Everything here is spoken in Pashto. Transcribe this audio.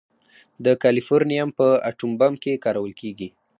د کالیفورنیم په اټوم بم کې کارول کېږي.